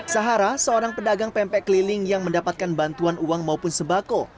sahara seorang pedagang pempek keliling yang mendapatkan bantuan uang maupun sebako